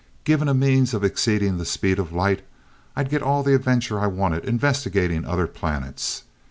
Given a means of exceeding the speed of light, I'd get all the adventure I wanted investigating other planets.